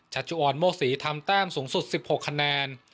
ชัชชุออนโมศรีทำแต้มสูงสุด๑๖คะแนน